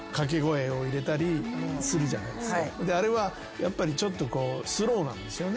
あれはやっぱりちょっとスローなんですよね。